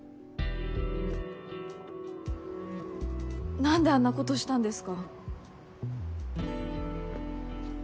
何であんなことしたんですか？